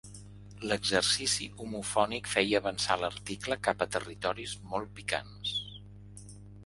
L'exercici homofònic feia avançar l'article cap a territoris molt picants.